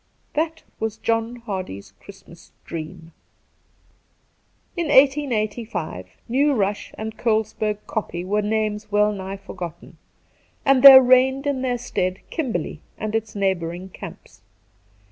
* That was John Hardy's Christmas dream. In 1885 New Rush, and Colesb/lrg Kopje were names well nigh forgotten, and there reigned in their stead Kimberley and its neighbouring camps.